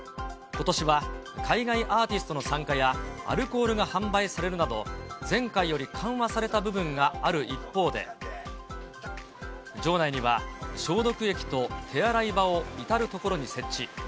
ことしは海外アーティストの参加や、アルコールが販売されるなど、前回より緩和された部分がある一方で、場内には、消毒液と手洗い場を至る所に設置。